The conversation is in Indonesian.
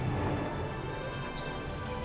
dan juga papanya ren